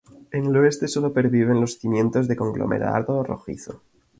En el oeste, sólo perviven los cimientos de conglomerado rojizo.